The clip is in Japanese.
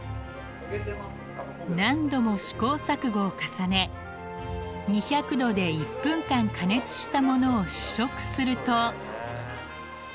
何度も試行錯誤を重ね２００℃で１分間加熱したものを試食すると。